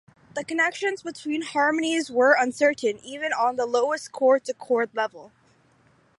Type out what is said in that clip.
The connections between harmonies were uncertain even on the lowest-chord-to-chord-level.